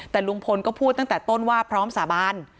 แต่ลุงพลก็พูดตั้งแต่ต้นว่าพร้อมสาบาน